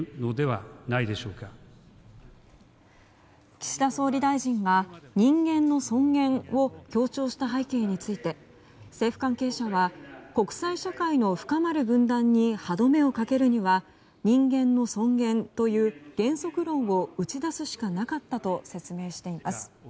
岸田総理大臣が人間の尊厳を強調した背景について政府関係者は国際社会の深まる分断に歯止めをかけるには人間の尊厳という原則論を打ち出すしかなかったと説明しています。